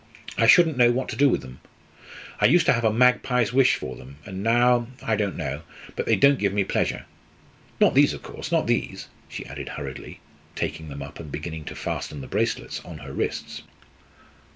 "I shouldn't know what to do with them. I used to have a magpie's wish for them; and now I don't know, but they don't give me pleasure. Not these, of course not these!" she added hurriedly, taking them up and beginning to fasten the bracelets on her wrists.